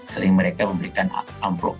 sering mereka memberikan amplop